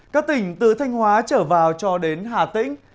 các tỉnh từ thanh hóa trở vào cho đến hà tĩnh